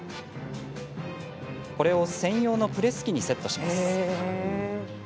これを専用のプレス機にセットします。